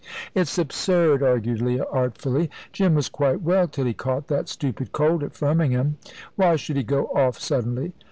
"It's absurd!" argued Leah, artfully. "Jim was quite well till he caught that stupid cold at Firmingham. Why should he go off suddenly?"